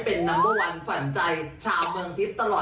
เธอเขาเล่นหมดกันไม่ใช่เหรอ